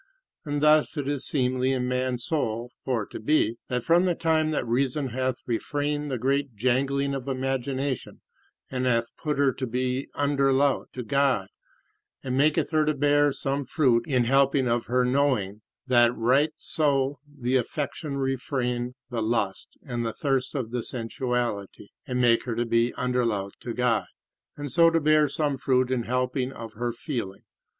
And thus it is seemly in man's soul for to be, that from the time that reason hath refrained the great jangling of imagination, and hath put her to be underlout to God, and maketh her to bear some fruit in helping of her knowing, that right so the affection refrain the lust and the thirst of the sensuality, and make her to be underlout to God, and so to bear some fruit in helping of her feeling.